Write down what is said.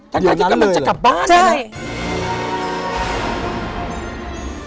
แต่มันจะกลับบ้านใช่มั้ยใช่